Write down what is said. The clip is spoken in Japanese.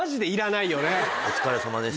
お疲れさまでした。